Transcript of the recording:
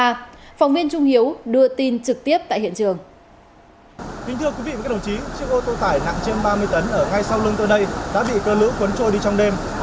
phóng viên trung hiếu đưa tin trực tiếp tại hiện trường